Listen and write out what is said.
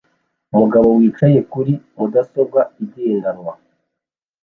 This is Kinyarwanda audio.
Umugabo yicaye kuri mudasobwa igendanwa